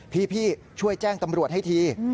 พี่ช่วยแจ้งตำรวจให้ที